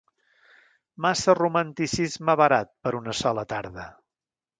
Massa romanticisme barat per una sola tarda.